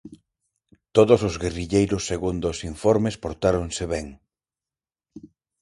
Todos os guerrilleiros segundo os informes portáronse ben.